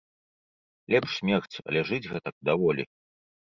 Лепш смерць, але жыць гэтак даволі.